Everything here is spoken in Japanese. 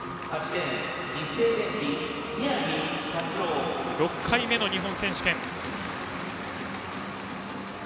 宮城辰郎、６回目の日本選手権。